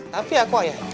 tapi aku ayah